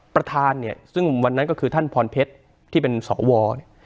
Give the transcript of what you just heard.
ประธานเนี่ยซึ่งวันนั้นก็คือท่านพรเพชรที่เป็นสวเนี่ย